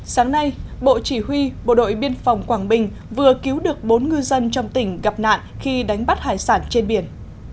sáng nay bộ chỉ huy bộ đội biên phòng quảng bình vừa cứu được bốn ngư dân trong tỉnh gặp nạn khi đánh bắt hải sản trên biển